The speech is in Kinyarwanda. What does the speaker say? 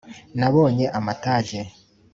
nabonye amatage